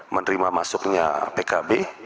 menerima masuknya pkb